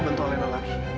udah bisa bantu alena lagi